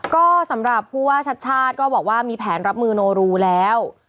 ก็สำหรับผู้ว่าชัดชาติก็บอกว่ามีแผนรับมือโนรูแล้ว